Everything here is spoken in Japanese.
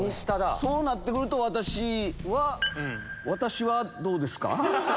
そうなって来ると私はどうですか？